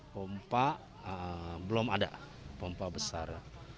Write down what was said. pompa belum ada pompa besar